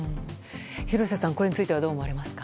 廣瀬さん、これについてはどう思われますか？